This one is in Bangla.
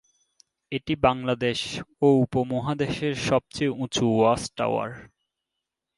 এটি বাংলাদেশ ও উপমহাদেশের সবচেয়ে উঁচু ওয়াচ টাওয়ার।